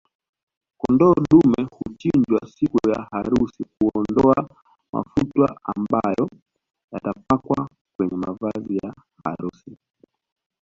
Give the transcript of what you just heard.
Kondoo dume huchinjwa siku ya harusi kuondoa mafuta ambayo yatapakwa kwenye mavazi ya harusi